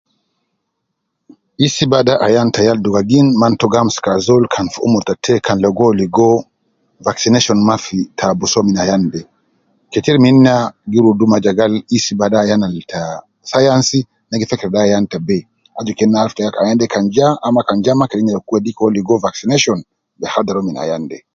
Isbah de ayan te yal dugagin man to gi amsuku azol kan fi umur ta te kan ligo uwo ligo vaccination ma ta abusu uwo min ayan de, ketir min ina gi rudu ma je gal isbah de ayan al ta science na gi feker de ayan te be, aju kena tena ayan de kan ja ama kan ja ma kede nyereku sul ke uwo ligo vaccination ke hadhar uwo min ayan de